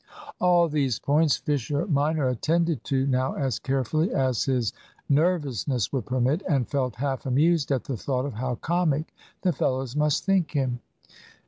All these points Fisher minor attended to now as carefully as his nervousness would permit, and felt half amused at the thought of how comic the fellows must think him.